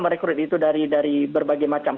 merekrut itu dari berbagai macam